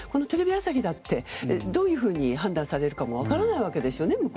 テレビ朝日だってどういうふうに判断されるか分からないわけですよね